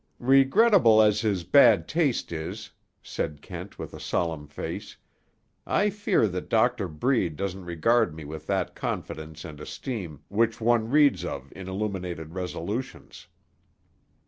"Regrettable as his bad taste is," said Kent with a solemn face, "I fear that Doctor Breed doesn't regard me with that confidence and esteem which one reads of in illuminated resolutions."